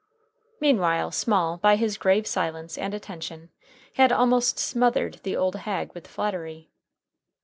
Meantime, Small, by his grave silence and attention, had almost smothered the old hag with flattery.